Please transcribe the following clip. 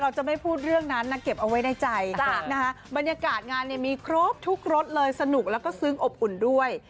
จะไม่พูดเรื่องนั้นนะเก็บเอาไว้ในใจนะคะบรรยากาศงานเนี่ยมีครบทุกรถเลยสนุกแล้วก็ซึ้งอบอุ่นด้วย